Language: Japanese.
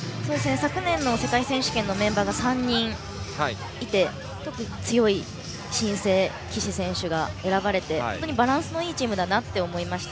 昨年の世界選手権のメンバーが３人いて、特に強い新星岸選手が選ばれてバランスのいいチームだなと思いました。